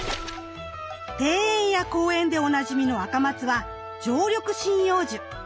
庭園や公園でおなじみのアカマツは常緑針葉樹。